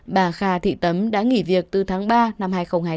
bà kha thị tấm đã nghỉ việc từ tháng ba năm hai nghìn hai mươi bốn